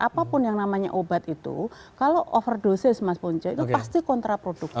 apapun yang namanya obat itu kalau overdosis mas punca itu pasti kontraproduktif